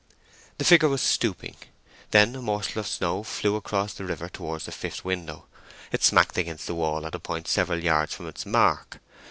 The figure was stooping. Then a morsel of snow flew across the river towards the fifth window. It smacked against the wall at a point several yards from its mark.